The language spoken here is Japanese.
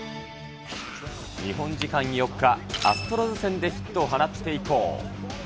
日本時間４日、アストロズ戦でヒットを放って以降。